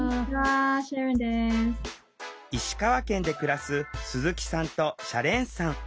石川県で暮らす鈴木さんとシャレーンさん。